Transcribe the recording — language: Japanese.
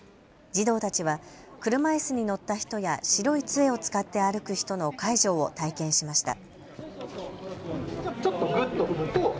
児童たちは車いすに乗った人や白いつえを使って歩く人の介助を体験しました。